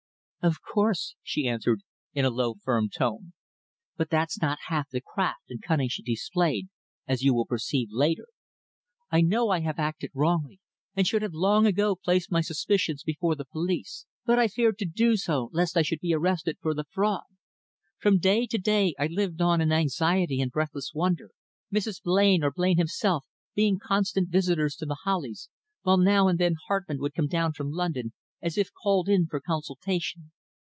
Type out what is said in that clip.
"Of course," she answered in a low, firm tone. "But that's not half the craft and cunning she displayed, as you will perceive later. I know I have acted wrongly, and should have long ago placed my suspicions before the police, but I feared to do so, lest I should be arrested for the fraud. From day to day I lived on in anxiety and breathless wonder, Mrs. Blain or Blain himself being constant visitors to The Hollies, while now and then Hartmann would come down from London, as if called in for consultation.